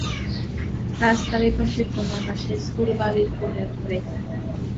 রাস্তার এপাশে তোমার বাসা, ইস্কুলবাড়ির কোণের ঘরে।